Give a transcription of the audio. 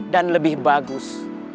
dan lebih bagus